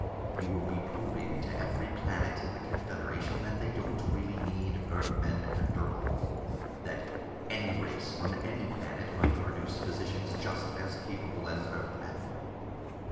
You will be proving to every planet in the confederation that they don't really need Earthmen after all, that any race from any planet might produce physicians just as capable as Earthmen."